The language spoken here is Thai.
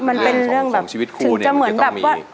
มันเป็นเรื่องของชีวิตคู่นี้มันจะต้องมี